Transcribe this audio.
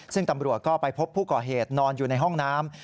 ซึ่งตำรวจก็ไปพบผู้ก่อเหตุนอนอยู่ในห้องน้ำ